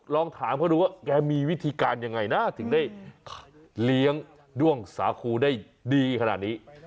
ลองถามเขาดูว่าแกมีวิธีการยังไงนะถึงได้เลี้ยงด้วงสาคูได้ดีขนาดนี้